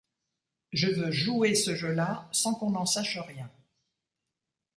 Je veux jouer ce jeu-là sans qu’on en sache rien.